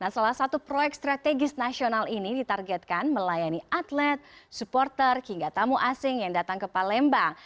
salah satu proyek strategis nasional ini ditargetkan melayani atlet supporter hingga tamu asing yang datang ke palembang